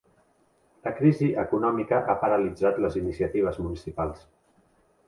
La crisi econòmica ha paralitzat les iniciatives municipals.